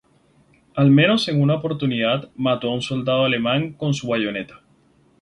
Al menos en una oportunidad, mató a un soldado alemán con su bayoneta.